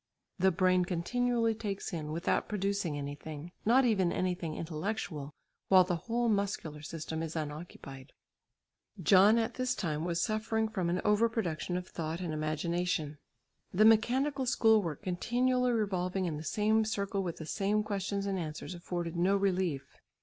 The brain continually takes in, without producing anything, not even anything intellectual, while the whole muscular system is unoccupied. John at this time was suffering from an over production of thought and imagination. The mechanical school work continually revolving in the same circle with the same questions and answers afforded no relief.